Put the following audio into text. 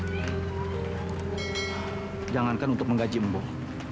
bok jangan kan untuk menggaji bok